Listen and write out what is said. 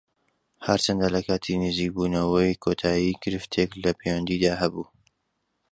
هەرچەندە لە کاتی نزیکبوونەوەی کۆتایی گرفتێک لە پەیوەندیدا هەبوو